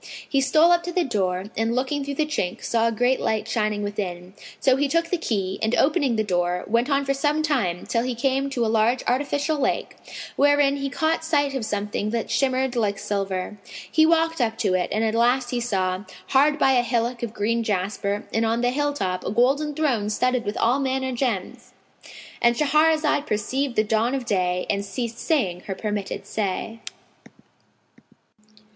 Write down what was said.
He stole up to the door and, looking through the chink, saw a great light shining within; so he took the key and, opening the door, went on for some time, till he came to a large artificial lake, wherein he caught sight of something that shimmered like silver. He walked up to it and at last he saw, hard by a hillock of green jasper and on the hill top, a golden throne studded with all manner gems,—And Shahrazad perceived the dawn of day and ceased saying her permitted say.